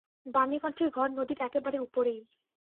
বাণীকণ্ঠের ঘর নদীর একেবারে উপরেই।